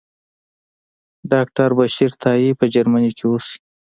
ډاکټر بشیر تائي په جرمني کې اوسي.